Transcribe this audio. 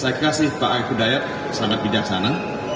saya kasih pak ari kudayat sangat bijaksana